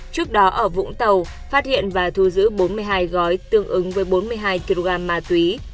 trước đó ở vũng tàu phát hiện và thu giữ bốn mươi hai gói tương ứng với bốn mươi hai kg ma túy